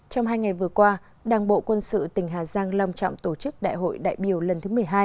trong hai ngày vừa qua đảng bộ quân sự tỉnh hà giang lòng trọng tổ chức đại hội đại biểu lần thứ một mươi hai